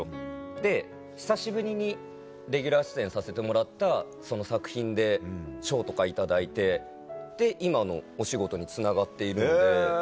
で久しぶりにレギュラー出演させてもらったその作品で賞とか頂いてで今のお仕事につながっているので。